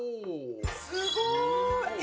すごい！